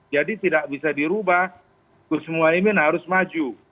jadi tidak bisa dirubah gus muwaimin harus maju